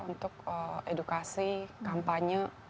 untuk edukasi kampanye